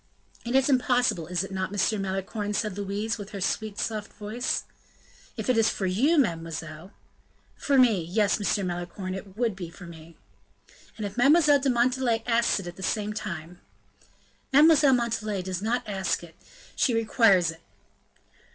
"It is impossible, is it not, M. Malicorne?" said Louise, with her sweet, soft voice. "If it is for you, mademoiselle " "For me. Yes, Monsieur Malicorne, it would be for me." "And if Mademoiselle de Montalais asks it at the same time " "Mademoiselle de Montalais does not ask it, she requires it."